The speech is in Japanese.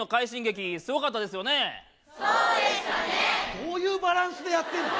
どういうバランスでやってんの？